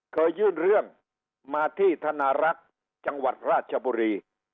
ยื่นเรื่องมาที่ธนารักษ์จังหวัดราชบุรี